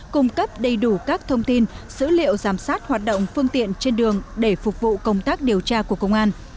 cung cấp đầy đủ các thông tin dữ liệu giám sát hoạt động phương tiện trên đường để phục vụ công tác điều tra của công an